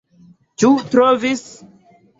Ĉu trovis?